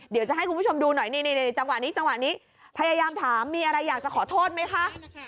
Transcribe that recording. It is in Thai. เดี๋ยวจะให้คุณผู้ชมดูหน่อยนี่จังหวะนี้จังหวะนี้พยายามถามมีอะไรอยากจะขอโทษไหมคะ